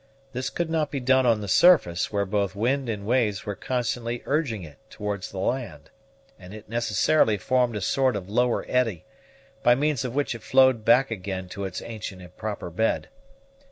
This could not be done on the surface, where both wind and waves were constantly urging it towards the land, and it necessarily formed a sort of lower eddy, by means of which it flowed back again to its ancient and proper bed.